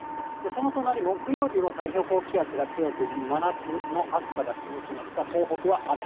その隣、木曜日も太平洋高気圧が強く、真夏の暑さが続きますが、東北は雨。